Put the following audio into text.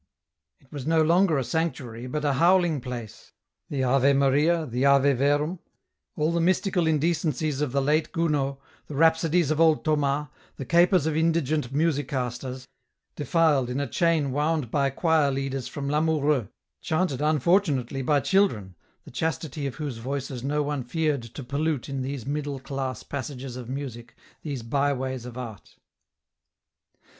It was no longer a sanctuary, but a howling place. The " Ave Maria," the " Ave Verum," all the mystical inde cencies of the late Gounod, the rhapsodies of old Thomas, the capers of indigent musicasters, defiled in a chain wound by choir leaders from Lamoureux, chanted unfortu nately by children, the chastity of whose voices no one feared to pollute in these middle class passages of music, these by ways of art. EN ROUTE.